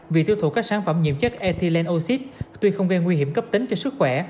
vì tiêu thụ các sản phẩm nhiệm chất ethylene oxide tuy không gây nguy hiểm cấp tính cho sức khỏe